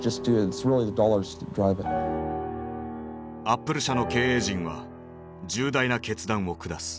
アップル社の経営陣は重大な決断を下す。